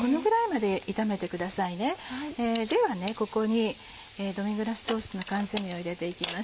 ではここにドミグラスソースの缶詰を入れていきます。